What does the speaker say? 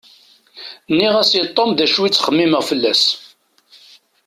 Nniɣ-as i Tom d acu i ttxemmimeɣ fell-as.